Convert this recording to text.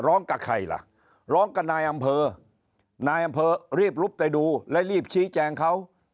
ร้องกับใครล่ะร้องกับนายอำเภอนายอำเภอรีบลุกไปดูและรีบชี้แจงเขา